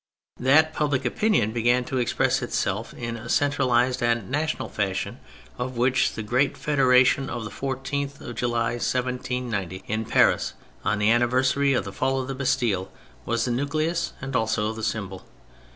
That public opinion began to express itself in a centralised and national fashion, of which the great federation of the 14th of July 1790, in Paris, on the anniversary of the fall of the Bastille, was the nucleus and also the symbol.